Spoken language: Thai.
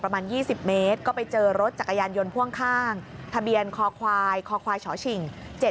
ประมาณ๒๐เมตรก็ไปเจอรถจักรยานยนต์พ่วงข้างทะเบียนคอควายคอควายฉิง๗๗